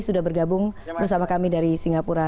sudah bergabung bersama kami dari singapura